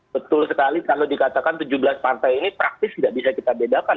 betul sekali kalau dikatakan tujuh belas partai ini praktis tidak bisa kita bedakan